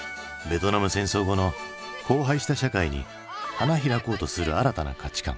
ベトナム戦争後の荒廃した社会に花開こうとする新たな価値観。